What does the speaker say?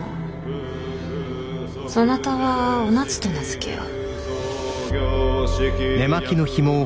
そなたはお夏と名付けよう。